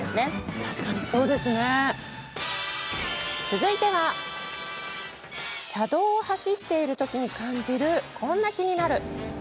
続いては車道を走っている時に感じる、こんな「キニナル」。